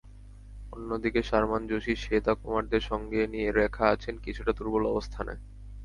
অন্যদিকে শারমান জোশি, শ্বেতা কুমারদের সঙ্গে নিয়ে রেখা আছেন কিছুটা দুর্বল অবস্থানে।